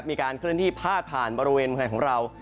มีการเคลื่อนที่พาดผ่านบริเวณเมืองไทยของเรา